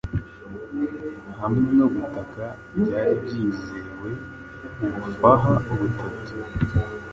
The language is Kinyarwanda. Hamwe no gutaka byari byizewe ubufaha butatu